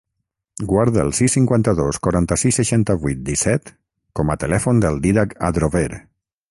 Guarda el sis, cinquanta-dos, quaranta-sis, seixanta-vuit, disset com a telèfon del Dídac Adrover.